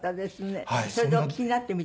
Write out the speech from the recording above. それでお聴きになってみてどうでした？